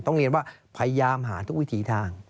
ต้องเรียนว่าพยายามหาทุกวิถีทาง